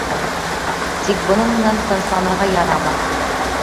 Тик бының менән тынысланырға ярамай.